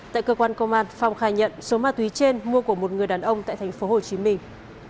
tại cơ quan công an phong khai nhận số ma túy trên mua của một người đàn ông tại thành phố hồ chí minh